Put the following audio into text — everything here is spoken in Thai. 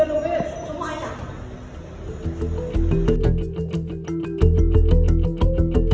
นี่มีร้านจากมุง